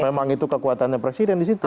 memang itu kekuatannya presiden di situ